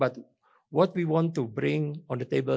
tapi apa yang ingin kami bawa ke tabel